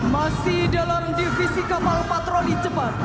masih dalam divisi kapal patroli cepat